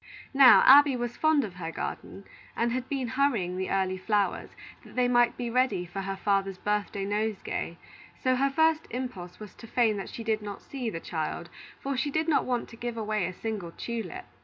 Now, Abby was fond of her garden, and had been hurrying the early flowers, that they might be ready for her father's birthday nosegay; so her first impulse was to feign that she did not see the child, for she did not want to give away a single tulip.